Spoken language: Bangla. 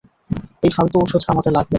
এই ফালতু ঔষধ আমাদের লাগবে না।